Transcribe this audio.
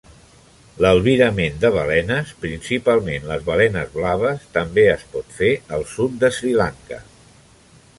L"albirament de balenes, principalment les balenes blaves, també es pot fer al sud d"Sri-Lanka.